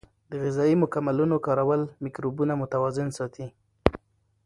د غذایي مکملونو کارول مایکروبونه متوازن ساتي.